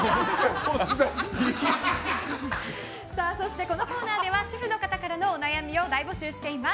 そして、このコーナーでは主婦の方からのお悩みを大募集しております。